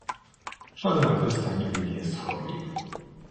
Żaden artysta nigdy nie jest chorobliwy.